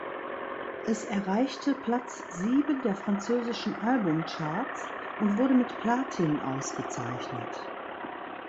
Es erreichte Platz sieben der französischen Albumcharts und wurde mit Platin ausgezeichnet.